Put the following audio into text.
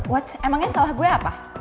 whatsa emangnya salah gue apa